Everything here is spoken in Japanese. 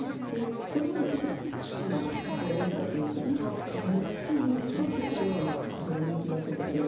これまでは結構セクシーな仮装が人気だったんですけど、今はかわいらしい、ほっとするような仮装が人気だそうですよ。